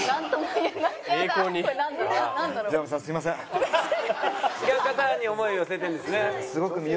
違う方に思いを寄せてるんですね。